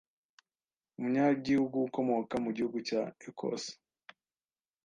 Umunyagihugu ukomoka mu gihugu cya Ecosse